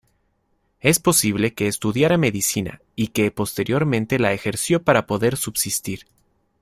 Es posible que estudiara medicina y que posteriormente la ejerció para poder subsistir.